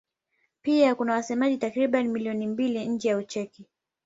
Pia kuna wasemaji takriban milioni mbili nje ya Ucheki.